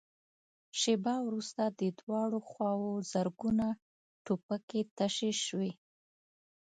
شېبه وروسته له دواړو خواوو زرګونه ټوپکې تشې شوې.